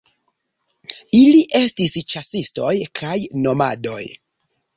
Ili estis ĉasistoj kaj nomadoj.